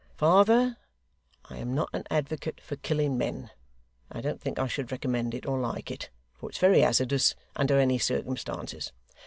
Farther, I am not an advocate for killing men, and I don't think I should recommend it or like it for it's very hazardous under any circumstances.